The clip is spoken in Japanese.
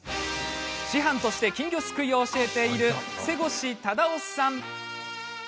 師範として金魚すくいを教えている瀬越忠男さん。